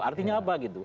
artinya apa gitu